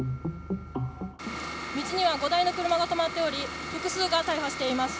道には５台の車が止まっており複数が大破しています。